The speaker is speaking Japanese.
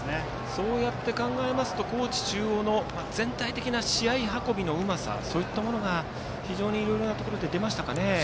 そうやって考えますと高知中央の全体的な試合運びのうまさそういったものがいろいろなところで出ましたかね。